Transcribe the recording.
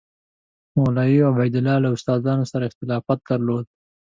مولوي عبیدالله له استادانو سره اختلاف درلود.